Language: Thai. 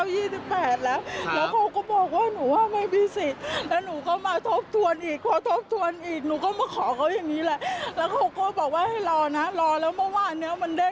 อยู่ในประกันสังคมไม่